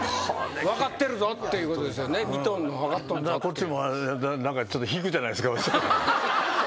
こっちもちょっと引くじゃないですか。